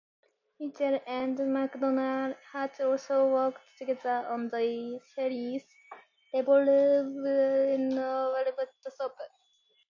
Mitchell and McDonnell had also worked together on the series "Revolver" and "Velvet Soup".